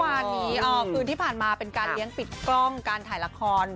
วันนี้คืนที่ผ่านมาเป็นการเลี้ยงปิดกล้องการถ่ายละคร